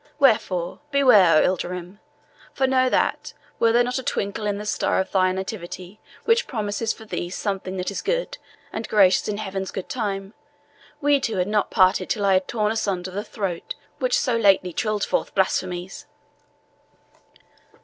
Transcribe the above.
Wherefore, beware, O Ilderim! for know that, were there not a twinkle in the star of thy nativity which promises for thee something that is good and gracious in Heaven's good time, we two had not parted till I had torn asunder the throat which so lately trilled forth blasphemies."